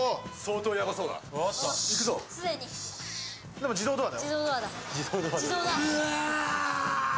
でも自動ドアだ。